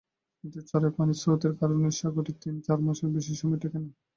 কিন্তু ছড়ায় পানির স্রোতের কারণে সাঁকোটি তিন-চার মাসের বেশি সময় টেকে না।